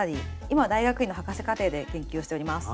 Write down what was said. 今は大学院の博士課程で研究をしております。